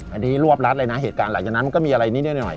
อันนี้รวบรัดเลยนะเหตุการณ์หลังจากนั้นมันก็มีอะไรนิดหน่อย